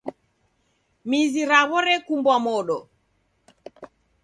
Mizi raw'o rekumbwa modo.